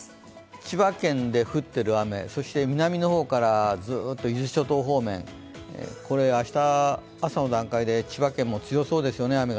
千葉県で降っている雨、南の方からずっと伊豆諸島方面、これ、明日の朝の段階で千葉県も雨が強そうです。